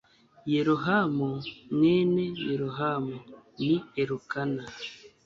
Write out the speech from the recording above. Yerohamu mwene Yerohamu ni Elukana